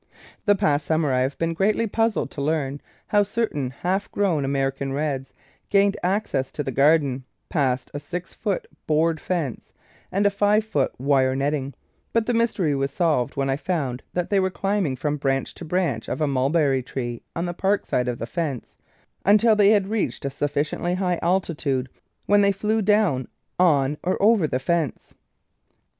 The past summer I have been greatly puzzled to learn how certain half grown American Reds gained access to the garden, past a six foot board fence and a five foot wire netting, but the mystery was solved when I found that they were climbing from branch to branch of a mulberry tree on the park side of the fence, until they had reached a sufficiently high altitude, when they flew down on, or over, the fence.